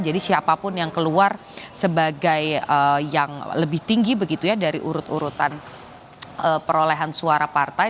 jadi siapapun yang keluar sebagai yang lebih tinggi begitu ya dari urut urutan perolehan suara partai